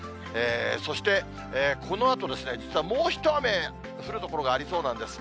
そしてこのあと、実はもう一雨降る所がありそうなんです。